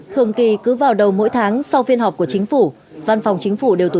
thường kỳ cứ vào đầu mỗi tháng sau phiên họp của chính phủ văn phòng chính phủ đều tổ